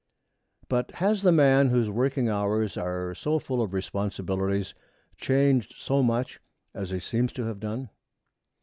But has the man whose working hours are so full of responsibilities changed so much as he seems to have done?